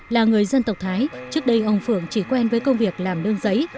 là người dân tộc thái trước đây ông phượng chỉ quen với công việc làm đơn giấy